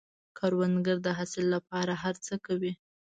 کروندګر د حاصل له پاره هر څه کوي